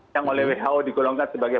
yang oleh who digolongkan sebagai